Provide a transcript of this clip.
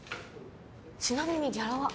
ちなみにギャラは？